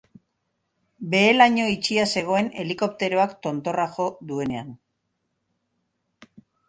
Behe-laino itxia zegoen helikopteroak tontorra jo duenean.